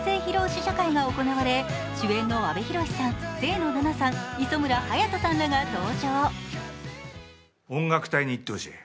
試写会が行われ主演の阿部寛さん、清野菜名さん磯村勇斗さんらが登場。